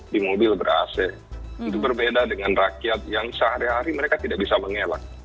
di mobil ber ac itu berbeda dengan rakyat yang sehari hari mereka tidak bisa mengelak